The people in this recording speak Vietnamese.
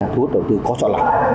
thu hút đầu tư có chọn lọc